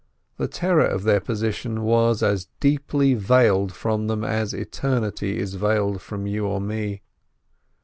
The terror of their position was as deeply veiled from them as eternity is veiled from you or me.